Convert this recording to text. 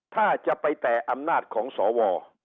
ถ้าจะไปแต่อำนาจของสว